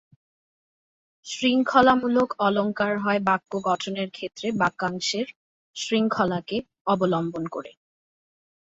শৃঙ্খলামূলক অলঙ্কার হয় বাক্যগঠনের ক্ষেত্রে বাক্যাংশের শৃঙ্খলাকে অবলম্বন করে।